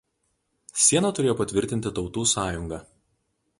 Sieną turėjo patvirtinti Tautų Sąjunga.